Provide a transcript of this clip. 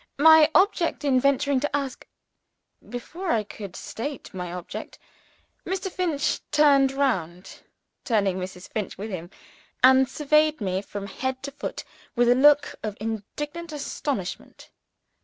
My object in venturing to ask " Before I could state my object, Mr. Finch turned round (turning Mrs. Finch with him) and surveyed me from head to foot with a look of indignant astonishment.